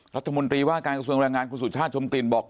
รัฐมนตรีว่าการกระทรวงแรงงานคุณสุชาติชมกลิ่นบอก